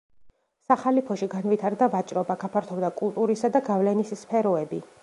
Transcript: სახალიფოში განვითარდა ვაჭრობა, გაფართოვდა კულტურისა და გავლენის სფეროები.